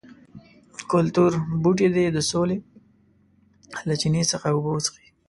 کلتور بوټي دې د سولې له چینې څخه اوبه وڅښي.